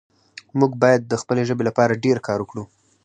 موږ باید د خپلې ژبې لپاره ډېر کار وکړو